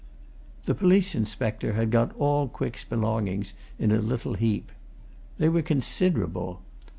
The police inspector had got all Quick's belongings in a little heap. They were considerable.